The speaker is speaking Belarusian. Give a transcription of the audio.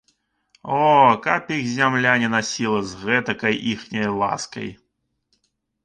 О, каб іх зямля не насіла з гэтакай іхняй ласкай!